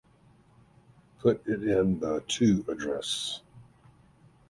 Put it in the to address